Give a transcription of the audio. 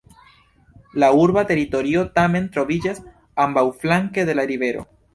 La urba teritorio tamen troviĝas ambaŭflanke de la rivero.